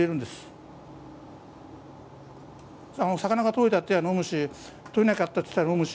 魚が取れたって言えば飲むし取れなかったっつったら飲むし。